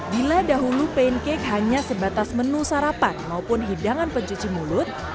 bila dahulu pancake hanya sebatas menu sarapan maupun hidangan pencuci mulut